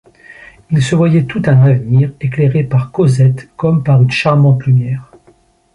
Il se voyait tout un avenir éclairé par Cosette comme par une charmante lumière.